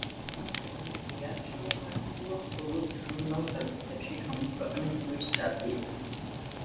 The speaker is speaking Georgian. მაგრამ იგი არ შემოფარგლულა მხოლოდ ჟურნალ–გაზეთებში გამოქვეყნებული სტატიებით.